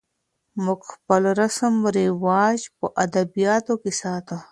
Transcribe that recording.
موږ خپل رسم و رواج په ادبیاتو کې ساتو.